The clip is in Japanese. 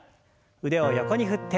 腕を横に振って。